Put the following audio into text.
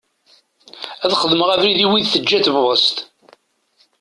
Ad xedmeɣ abrid i wid teǧǧa tebɣest.